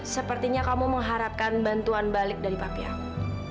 sepertinya kamu mengharapkan bantuan balik dari papi aku